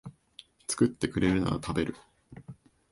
作ってくれるなら食べる